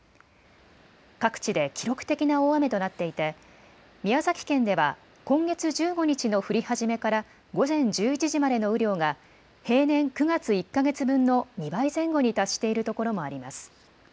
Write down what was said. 各地で記録的な大雨となっていて、宮崎県では今月１５日の降り始めから午前１１時までの雨量が、平年９月１か月分の２倍前後に達している所もあります。